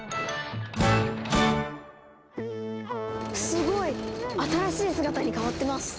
すごい！新しい姿に変わってます。